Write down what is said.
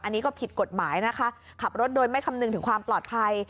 อันนี้ก็ผิดกฎหมายนะคะขับรถโดยไม่คำนึงถึงความปลอดภัย